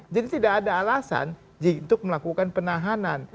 tidak ada alasan untuk melakukan penahanan